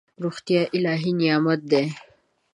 روغتیا الهي نعمت دی.